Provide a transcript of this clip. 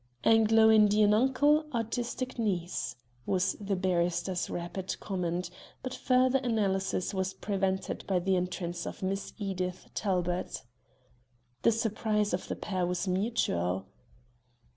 "Anglo Indian uncle, artistic niece," was the barrister's rapid comment, but further analysis was prevented by the entrance of Miss Edith Talbot. The surprise of the pair was mutual.